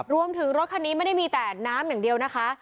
รถคันนี้ไม่ได้มีแต่น้ำอย่างเดียวนะคะ